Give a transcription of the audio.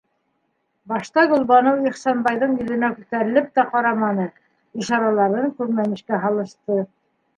Башта Гөлбаныу Ихсанбайҙың йөҙөнә күтәрелеп тә ҡараманы, ишараларын күрмәмешкә һалышты.